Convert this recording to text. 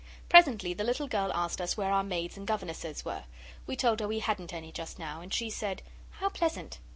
Presently the little girl asked us where our maids and governesses were. We told her we hadn't any just now. And she said 'How pleasant!